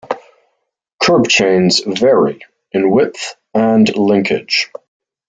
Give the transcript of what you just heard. Curb chains vary in width and linkage.